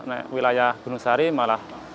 naik wilayah gunung sari malah